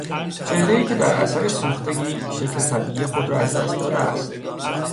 چهرهای که در اثر سوختگی شکل طبیعی خود را از دست داده است